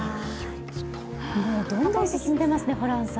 どんどん進んでますね。